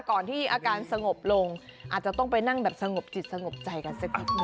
ก่อนที่อาการสงบลงอาจจะต้องไปนั่งแบบสงบจิตสงบใจกันสักนิดนึ